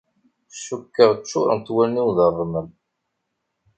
Cukkeɣ ččuṛent wallen-iw d ṛṛmel.